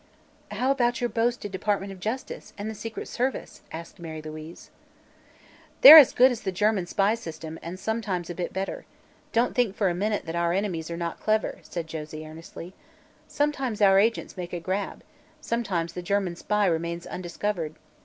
"How about your boasted department of justice, and the secret service?" asked Mary Louise. "They're as good as the German spy system, and sometimes a bit better. Don't think for a minute that our enemies are not clever," said Josie earnestly. "Sometimes our agents make a grab; sometimes the German spy remains undiscovered.